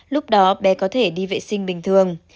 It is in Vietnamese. lúc đó bé có thể đi vệ sinh bình thường